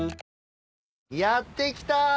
やって来た！